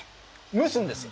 蒸すんですよ。